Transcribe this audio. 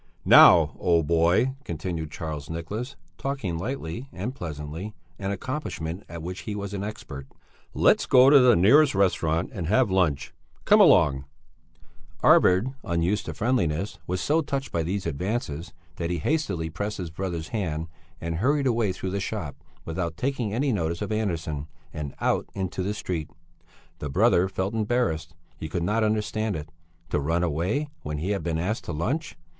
"Now, old boy," continued Charles Nicholas, talking lightly and pleasantly, an accomplishment at which he was an expert. "Let's go to the nearest restaurant and have lunch. Come along!" Arvid, unused to friendliness, was so touched by these advances that he hastily pressed his brother's hand and hurried away through the shop without taking any notice of Andersson, and out into the street. The brother felt embarrassed; he could not understand it. To run away when he had been asked to lunch!